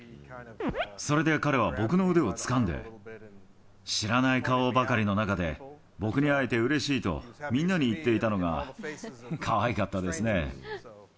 それで彼は僕の腕をつかんで、知らない顔ばかりの中で、僕に会えてうれしいと、みんなに言っていたのがかわいかったですね。